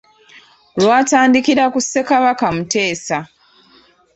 Lwatandikira ku Ssekabaka Muteesa.